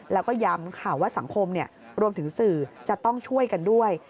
แล้วก็ย้ำค่ะว่าสังคมรวมถึงสื่อจะต้องช่วยกันด้วย